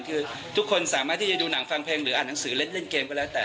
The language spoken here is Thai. คือทุกคนสามารถที่จะดูหนังฟังเพลงหรืออ่านหนังสือเล่นเกมก็แล้วแต่